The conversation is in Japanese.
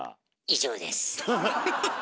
以上です。